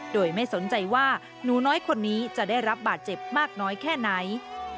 โดยไม่สนใจว่าหนูน้อยคนนี้จะได้รับบาดเจ็บมากน้อยแค่ไหน